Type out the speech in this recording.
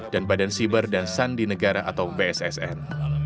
dan badan siber dan sandi negara atau bssn